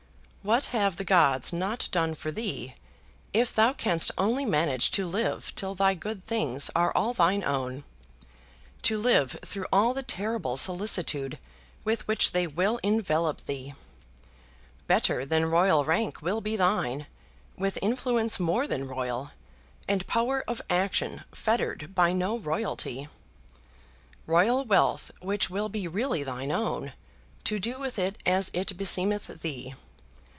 _ What have the gods not done for thee, if thou canst only manage to live till thy good things are all thine own, to live through all the terrible solicitude with which they will envelope thee! Better than royal rank will be thine, with influence more than royal, and power of action fettered by no royalty. Royal wealth which will be really thine own, to do with it as it beseemeth thee.